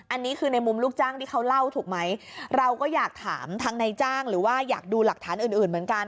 อันนี้คือในมุมลูกจ้างที่เขาเล่าถูกไหมเราก็อยากถามทางนายจ้างหรือว่าอยากดูหลักฐานอื่นอื่นเหมือนกัน